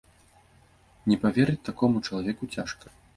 Не паверыць такому чалавеку цяжка.